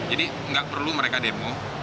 jadi nggak perlu mereka demo